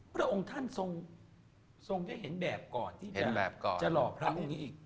พระองค์ท่านทรงได้เห็นแบบก่อนที่จะหล่อพระองค์นี้อีก